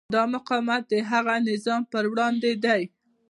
دا مقاومت د هغه نظام پر وړاندې دی.